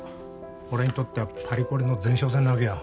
俺にとってはパリコレの前哨戦なわけよ